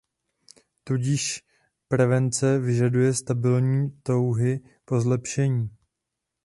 Tudíž prevence vyžaduje stabilní touhy pro zlepšení.